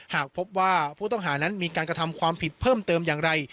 หากพบว่าผู้ต้องหานั้นมีการกระทำความผิดเพิ่มเติมอย่างไร